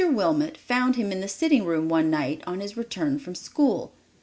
Wilmot found him in the sitting room one night, on his return from school.